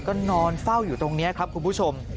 ก็นอนเฝ้าอยู่ตรงนี้ครับคุณผู้ชม